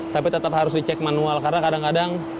tapi tetap harus dicek manual karena kadang kadang